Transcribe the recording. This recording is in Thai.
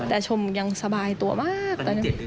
แต่ชมยังสบายตัวมาก